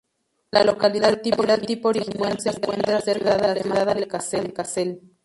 La localidad tipo original se encuentra cerca de la ciudad alemana de Kassel.